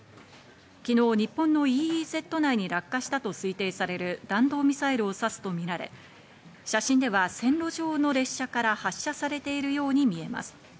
昨日、日本のＥＥＺ内に落下したと推定される弾道ミサイルを指すとみられ、写真では線路上の列車から発射されているように見えます。